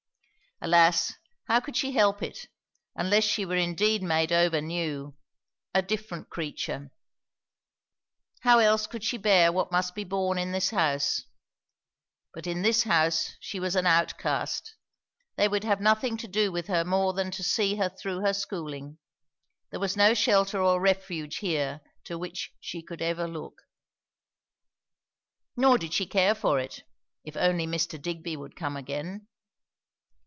Alas, how could she help it, unless she were indeed made over new; a different creature. How else could she bear what must be borne in this house? But in this house she was an outcast; they would have nothing to do with her more than to see her through her schooling; there was no shelter or refuge here to which she could ever look. Nor did she care for it, if only Mr. Digby would come again.